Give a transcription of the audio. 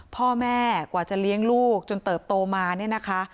พ่อแม่กว่าจะเลี้ยงลูกจนเติบโตมาเนี่ยนะคะ